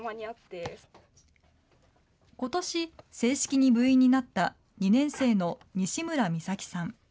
ことし、正式に部員になった２年生の西村美咲さん。